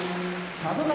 佐渡ヶ